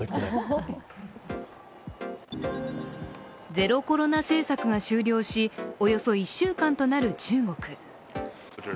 ゼロコロナ政策が終了し、およそ１週間となる中国。